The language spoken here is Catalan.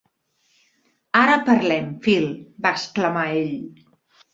Ara parlem , Phil, va exclamar ell.